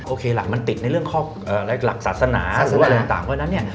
โอเคล่ะมันติดในเรื่องหลักศาสนาหรือเรื่องต่างด้วยนั้น